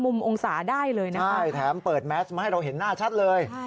มองศาได้เลยนะคะใช่แถมเปิดแมสมาให้เราเห็นหน้าชัดเลย